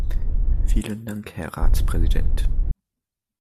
Vielen Dank Herr Ratspräsident!